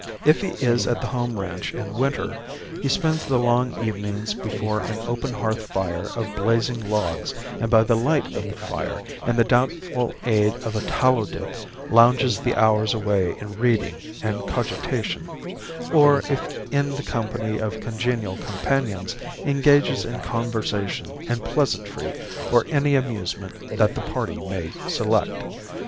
If he is at the home ranch in winter he spends the long evenings before an open hearth fire of blazing logs and by the light of the fire and the doubtful aid of a tallow dip lounges the hours away in reading and cogitation; or, if in the company of congenial companions, engages in conversation and pleasantry or any amusement that the party may select.